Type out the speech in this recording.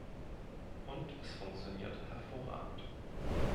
Und es funktioniert hervorragend.